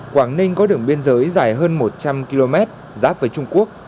quảng ninh có đường biên giới dài hơn một trăm linh km giáp với trung quốc